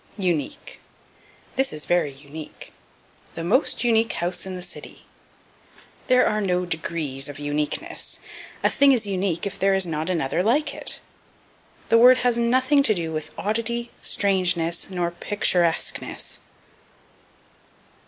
_ Unique. "This is very unique." "The most unique house in the city." There are no degrees of uniqueness: a thing is unique if there is not another like it. The word has nothing to do with oddity, strangeness, nor picturesqueness.